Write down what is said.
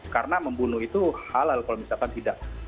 karena membunuh itu halal kalau misalkan tidak